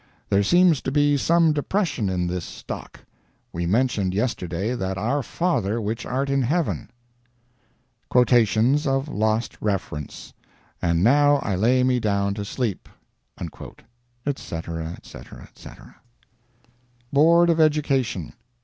There seems to be some depression in this stock. We mentioned yesterday that our Father which art in heaven. Quotations of lost reference, and now I lay me down to sleep," &c., &c., &c. BOARD OF EDUCATION.